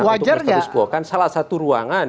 wajar tidak untuk menstatuskuakan salah satu ruangan